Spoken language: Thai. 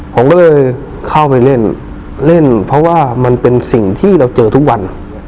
ผมก็เลยเข้าไปเล่นเล่นเพราะว่ามันเป็นสิ่งที่เราเจอทุกวัน